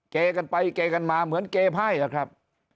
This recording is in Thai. เกกันไปเกกันมาเหมือนเกภ่ายเหรอครับ